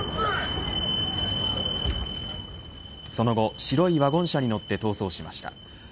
その後、白いワゴン車に乗って逃走しました。